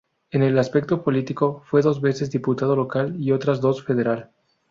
En el aspecto político, fue dos veces diputado local y otras dos federal.